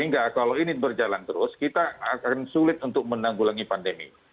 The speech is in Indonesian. jadi ini adalah hal yang sulit untuk menanggulangi pandemi